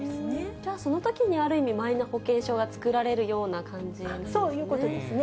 じゃあそのときにある意味、マイナ保険証が作られるような感じなんですね。